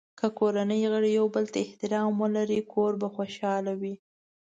که کورنۍ غړي یو بل ته احترام ولري، کور به خوشحال وي.